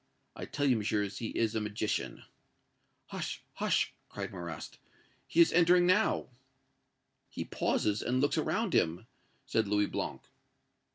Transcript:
I tell you, Messieurs, he is a magician!" "Hush! hush!" cried Marrast; "he is entering now!" "He pauses and looks around him!" said Louis Blanc.